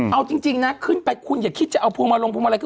เอาจริงคุณอย่าคิดจะเอาโพงมาลงโพงมาไร